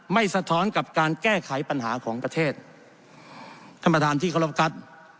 สะท้อนกับการแก้ไขปัญหาของประเทศท่านประธานที่เคารพครับ